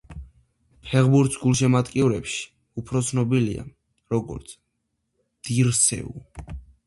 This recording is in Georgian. ფეხბურთის გულშემატკივრებში უფრო ცნობილია როგორც დირსეუ.